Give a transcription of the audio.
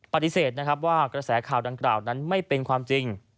ปฏิเสธนะครับว่ากระแสข่าวดังกล่าวนั้นไม่เป็นความจริง